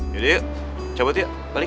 yaudah yuk cabut yuk balik